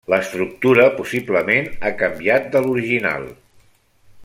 L’estructura possiblement ha canviat de l’original.